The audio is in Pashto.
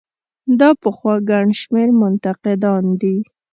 دا پخوا ګڼ شمېر منتقدان دي.